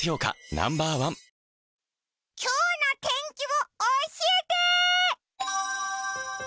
ＮＯ．１今日の天気を教えて！